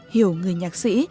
hiểu người nhạc sĩ